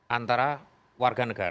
antara warga negara